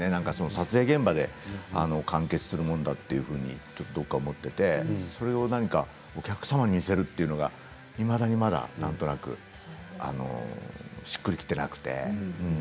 撮影現場で完結するもんだと思っていてそれをお客様に見せるというのがいまだに、まだなんとなくしっくりきていなくて。